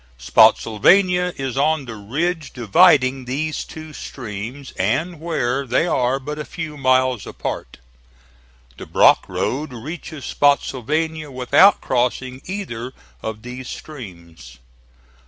Spottsylvania is on the ridge dividing these two streams, and where they are but a few miles apart. The Brock Road reaches Spottsylvania without crossing either of these streams.